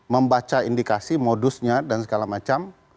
membaca indikasi modusnya dan segala macam